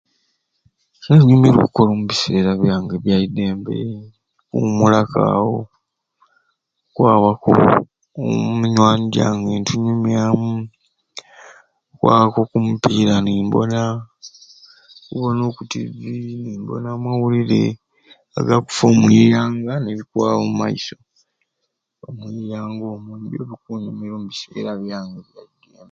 Kyenyumirwa okukola omubiseera byange ebyaddembe mpumulaku awo okwaba omu mwinywani jange netunyumyamu okwabaku oku mupiira nembona okubona oku TV nembona amawulire agakuufa omwiyanga nebikwaba omumaiso omwiyanga omwo nibyo ebikunyumira omubiseera byange ebyaddembe